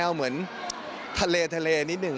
โดมเนี้ยบอกเลยว่าโอ้โห